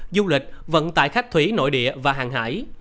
du lịch vận tải khách thủy nội địa và hàng hải